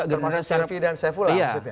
termasuk servi dan sefula maksudnya